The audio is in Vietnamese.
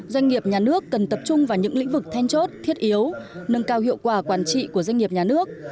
doanh nghiệp nhà nước cần tập trung vào những lĩnh vực then chốt thiết yếu nâng cao hiệu quả quản trị của doanh nghiệp nhà nước